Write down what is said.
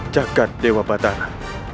jagad dewa batara